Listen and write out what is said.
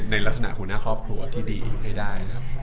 ในลักษณะของหน้าครอบครัวที่ดีให้ได้